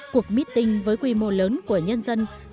cuộc meeting với quy mô lớn của nhân dân việt nam